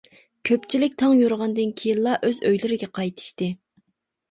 كۆپچىلىك تاڭ يورۇغاندىن كېيىنلا ئۆز ئۆيلىرىگە قايتىشتى.